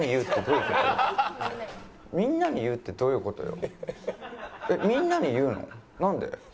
みんなに言うってどういう事よ。